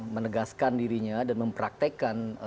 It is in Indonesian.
menegaskan dirinya dan mempraktekkan